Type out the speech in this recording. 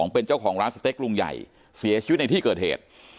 เป็นเจ้าของร้านสเต็กลุงใหญ่เสียชีวิตในที่เกิดเหตุ